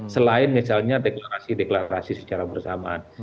selain misalnya deklarasi deklarasi secara bersamaan